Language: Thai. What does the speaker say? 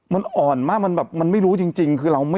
มันอ่อนมากมันแบบมันไม่รู้จริง